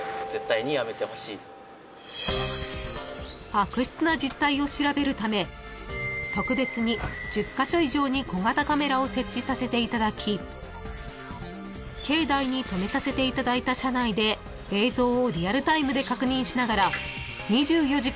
［悪質な実態を調べるため特別に１０カ所以上に小型カメラを設置させていただき境内に止めさせていただいた車内で映像をリアルタイムで確認しながら］